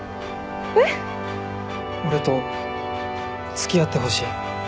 俺と付き合ってほしい。